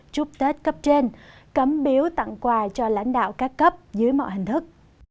chúc tết cấp trên cấm biếu tặng quà cho lãnh đạo các cấp dưới mọi hình thức